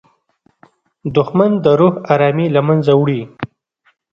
دښمن د روح ارامي له منځه وړي